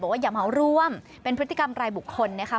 อย่าเหมาร่วมเป็นพฤติกรรมรายบุคคลนะคะ